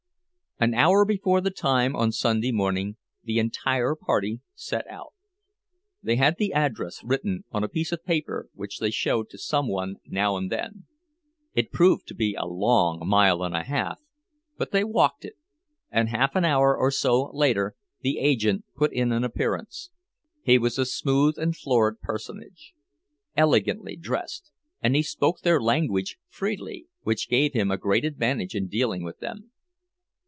An hour before the time on Sunday morning the entire party set out. They had the address written on a piece of paper, which they showed to some one now and then. It proved to be a long mile and a half, but they walked it, and half an hour or so later the agent put in an appearance. He was a smooth and florid personage, elegantly dressed, and he spoke their language freely, which gave him a great advantage in dealing with them.